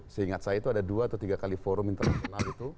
seingat saya itu ada dua atau tiga kali forum internasional itu